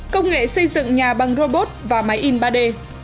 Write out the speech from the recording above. công nghệ xây dựng nhà bằng robot và máy in ba d